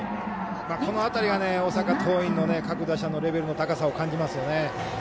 この辺りが大阪桐蔭の各打者のレベルの高さを感じますよね。